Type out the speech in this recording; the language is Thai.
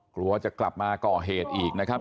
กลัวจะกลับมาก่อเหตุอีกนะครับ